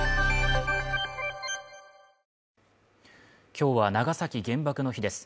今日は長崎原爆の日です